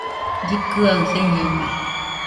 Llɨkɨaɨ señeno